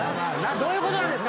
どういうことなんですか